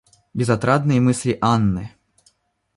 Безотрадные мысли Анны.